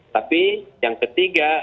tapi yang ketiga